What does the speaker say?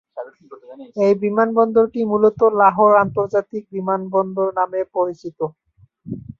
এই বিমানবন্দরটি মূলত লাহোর আন্তর্জাতিক বিমানবন্দর নামে পরিচিত।